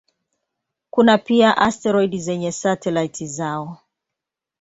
Kuna pia asteroidi zenye satelaiti zao.